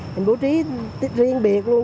mình bố trí riêng biệt luôn